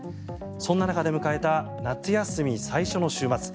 そんな中で迎えた夏休み最初の週末。